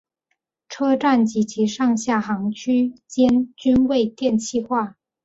车站及其上下行区间均未电气化。